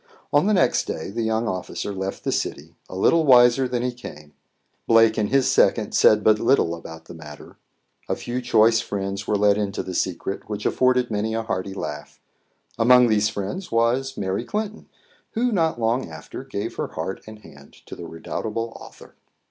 On the next day the young officer left the city, a little wiser than he came. Blake and his second said but little about the matter. A few choice friends were let into the secret, which afforded many a hearty laugh. Among these friends was Mary Clinton, who not long after gave her heart and hand to the redoubtable author.